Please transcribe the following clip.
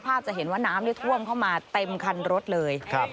จะเห็นว่าน้ำท่วมเข้ามาเต็มคันรถเลยครับ